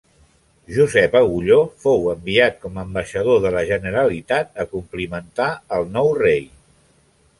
Josep Agulló fou enviat com a ambaixador de la Generalitat a complimentar el nou rei.